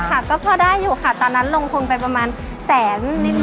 ค่ะก็พอได้อยู่ค่ะตอนนั้นลงทุนไปประมาณแสนนิดนึ